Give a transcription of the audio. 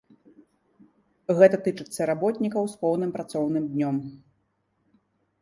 Гэта тычыцца работнікаў з поўным працоўным днём.